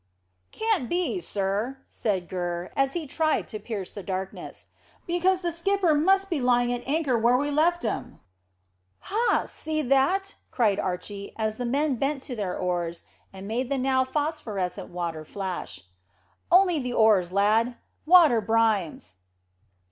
"Can't be, sir," said Gurr, as he tried to pierce the darkness, "because the skipper must be lying at anchor where we left him." "Hah! See that?" cried Archy, as the men bent to their oars and made the now phosphorescent water flash. "Only the oars, lad. Water brimes."